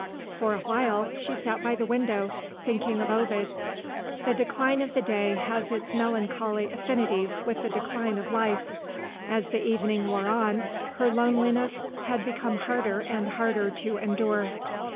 For a while she sat by the window, thinking of Ovid. The decline of day has its melancholy affinities with the decline of life. As the evening wore on, her loneliness had become harder and harder to endure.